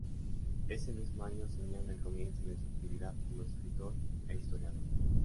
Ese mismo año señala el comienzo de su actividad como escritor e historiador.